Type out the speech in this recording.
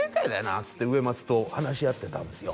っつって植松と話し合ってたんですよ